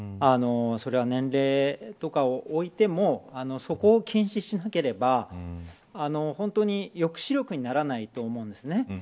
それは年齢とかを置いてもそこを禁止しなければ本当に抑止力にならないと思うんです。